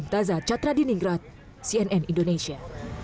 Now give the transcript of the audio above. taza chattradiningrat cnn indonesia